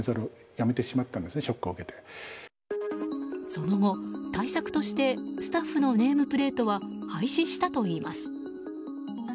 その後、対策としてスタッフのネームプレートは廃止したといいます。